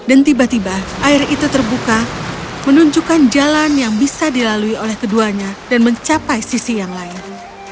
dan tiba tiba air itu terbuka menunjukkan jalan yang bisa dilalui oleh keduanya dan mencapai sisi yang lain